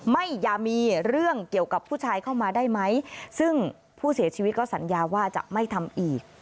อย่ามีเรื่องเกี่ยวกับผู้ชายเข้ามาได้ไหมซึ่งผู้เสียชีวิตก็สัญญาว่าจะไม่ทำอีก